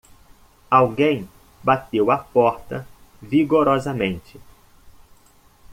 Alguém bateu a porta vigorosamente